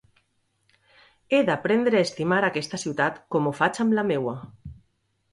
He d'aprendre a estimar aquesta ciutat com ho faig amb la meua.